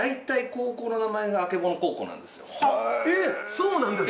そうなんですか？